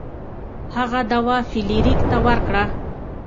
هغه دوا فلیریک ته ورکړه.